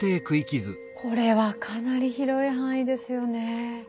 これはかなり広い範囲ですよね。